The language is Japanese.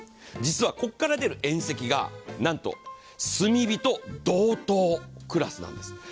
実はここから出る遠赤がなんと炭火と同等クラスなんです。